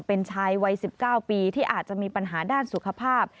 เป็นชายวัย๑๙ปีที่อาจจะมีปัญหาด้านสุขภาพ